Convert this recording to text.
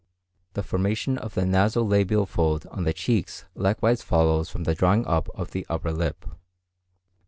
The formation of the naso labial fold on the cheeks likewise follows from the drawing up of the upper lip.